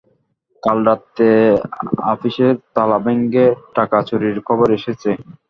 কাল রাত্রে আপিসের তালা ভেঙে টাকা-চুরির খবর এসেছে।